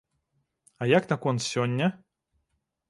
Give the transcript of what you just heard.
А як наконт сёння?